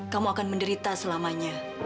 kamu akan menderita selamanya